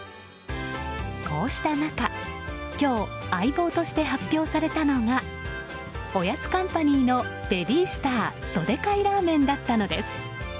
こうした中、今日相棒として発表されたのがおやつカンパニーのベビースタードデカイラーメンだったのです。